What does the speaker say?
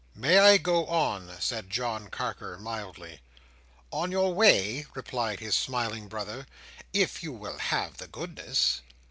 "May I go on?" said John Carker, mildly. "On your way?" replied his smiling brother. "If you will have the goodness."